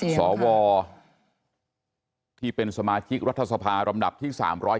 สวที่เป็นสมาชิกรัฐสภาลำดับที่๓๑